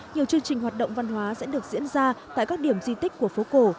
nhiều chương trình hoạt động văn hóa sẽ được diễn ra tại các điểm di tích của phố cổ